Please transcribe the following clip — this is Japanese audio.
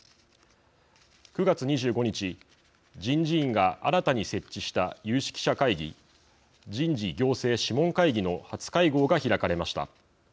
９月２５日、人事院が新たに設置した有識者会議人事行政諮問会議の初会合が開かれました。